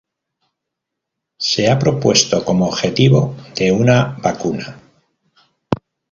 Se ha propuesto como objetivo de una vacuna.